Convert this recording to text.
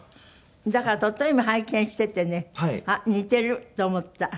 だからとても今拝見していてねあっ似ていると思った。